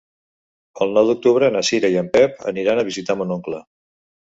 El nou d'octubre na Cira i en Pep aniran a visitar mon oncle.